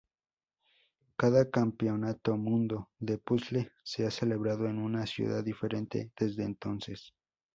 Cada "campeonato mundo de Puzzle" se ha celebrado en una ciudad diferente desde entonces.